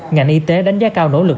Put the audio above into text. ngành y tế đánh giá cao nỗ lực